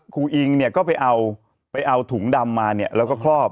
อิงเนี่ยก็ไปเอาไปเอาถุงดำมาเนี่ยแล้วก็ครอบ